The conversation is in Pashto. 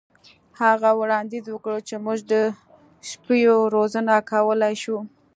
هغه وړاندیز وکړ چې موږ د سپیو روزنه کولی شو